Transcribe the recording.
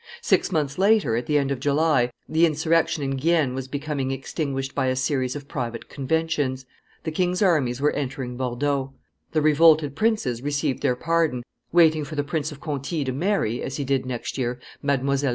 Six months later, at the end of July, the insurrection in Guienne was becoming extinguished by a series of private conventions; the king's armies were entering Bordeaux; the revolted princes received their pardon, waiting, meanwhile, for the Prince of Conti to marry, as he did next year, Mdlle.